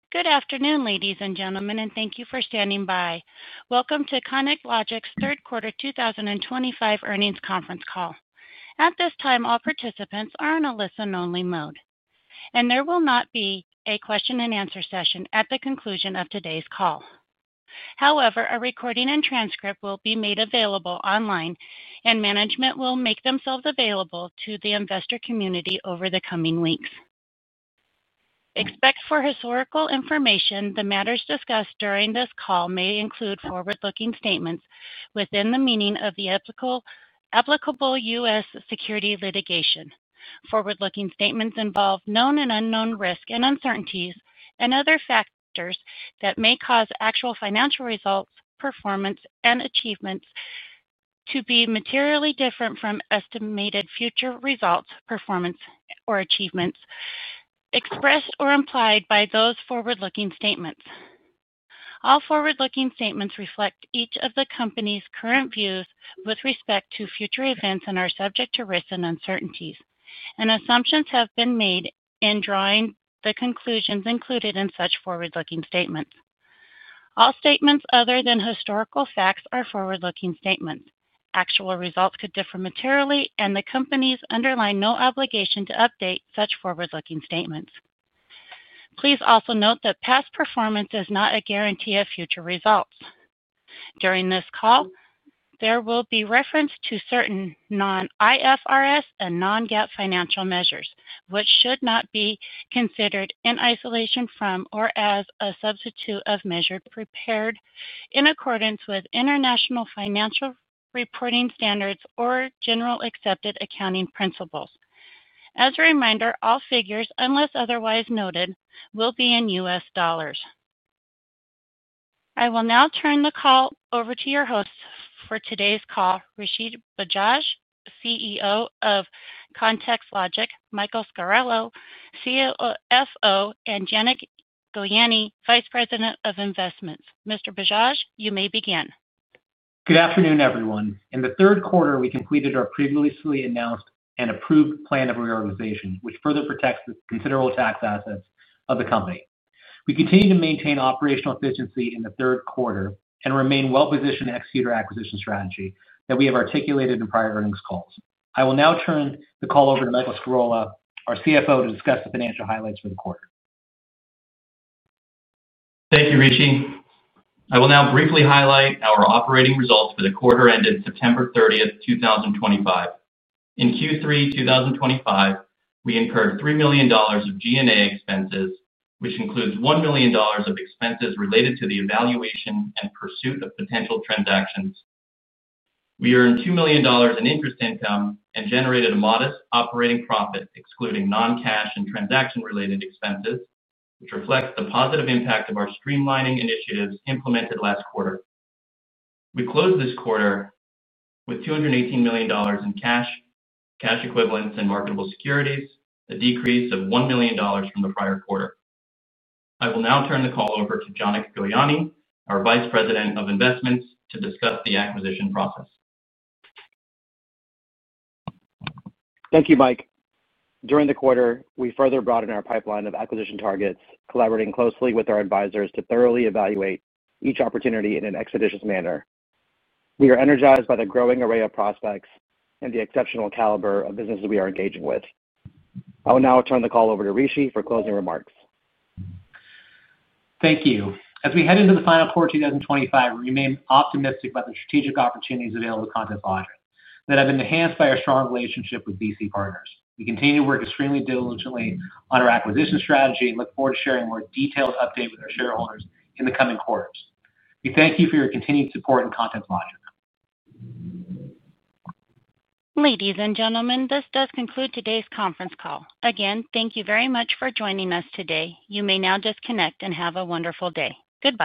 Good afternoon, ladies and gentlemen, and thank you for standing by. Welcome to ContextLogic's third quarter 2025 earnings conference call. At this time, all participants are in a listen-only mode, and there will not be a question and answer session at the conclusion of today's call. However, a recording and transcript will be made available online, and management will make themselves available to the investor community over the coming weeks. Except for historical information, the matters discussed during this call may include forward-looking statements within the meaning of the applicable U.S. security litigation. Forward-looking statements involve known and unknown risks and uncertainties and other factors that may cause actual financial results, performance, and achievements to be materially different from estimated future results, performance, or achievements expressed or implied by those forward-looking statements. All forward-looking statements reflect each of the company's current views with respect to future events and are subject to risks and uncertainties, and assumptions have been made in drawing the conclusions included in such forward-looking statements. All statements other than historical facts are forward-looking statements. Actual results could differ materially, and the company is under no obligation to update such forward-looking statements. Please also note that past performance is not a guarantee of future results. During this call, there will be reference to certain non-IFRS and non-GAAP financial measures, which should not be considered in isolation from or as a substitute for measures prepared in accordance with International Financial Reporting Standards or Generally Accepted Accounting Principles. As a reminder, all figures, unless otherwise noted, will be in US dollars. I will now turn the call over to your hosts for today's call, Rishi Bajaj, CEO of ContextLogic, Michael Scarola, CFO, and Janak Goyani, Vice President of Investments. Mr. Bajaj, you may begin. Good afternoon, everyone. In the third quarter, we completed our previously announced and approved plan of reorganization, which further protects the considerable tax assets of the company. We continue to maintain operational efficiency in the third quarter and remain well-positioned to execute our acquisition strategy that we have articulated in prior earnings calls. I will now turn the call over to Michael Scarola, our CFO, to discuss the financial highlights for the quarter. Thank you, Rishi. I will now briefly highlight our operating results for the quarter ended September 30th, 2025. In Q3 2025, we incurred $3 million of general and administrative expenses, which includes $1 million of expenses related to the evaluation and pursuit of potential transactions. We earned $2 million in interest income and generated a modest operating profit, excluding non-cash and transaction-related expenses, which reflects the positive impact of our streamlining initiatives implemented last quarter. We closed this quarter with $218 million in cash, cash equivalents, and marketable securities, a decrease of $1 million from the prior quarter. I will now turn the call over to Janak Goyani, our Vice President of Investments, to discuss the acquisition process. Thank you, Mike. During the quarter, we further broadened our acquisition pipeline, collaborating closely with our advisors to thoroughly evaluate each opportunity in an expeditious manner. We are energized by the growing array of prospects and the exceptional caliber of businesses we are engaging with. I will now turn the call over to Rishi for closing remarks. Thank you. As we head into the final quarter of 2025, we remain optimistic about the strategic opportunities available to ContextLogic that have been enhanced by our strong relationship with VC partners. We continue to work extremely diligently on our acquisition strategy and look forward to sharing a more detailed update with our shareholders in the coming quarters. We thank you for your continued support and ContextLogic. Ladies and gentlemen, this does conclude today's conference call. Again, thank you very much for joining us today. You may now disconnect and have a wonderful day. Goodbye.